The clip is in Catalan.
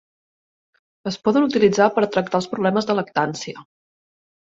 Es poden utilitzar per tractar els problemes de lactància.